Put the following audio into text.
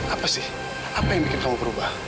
apa sih apa yang bikin kamu berubah